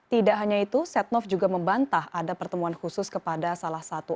tidak hanya itu setnov juga membantah ada pertemuan khusus kepada salah satu